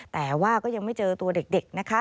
แต่ว่าก็ยังไม่เจอตัวเด็กนะคะ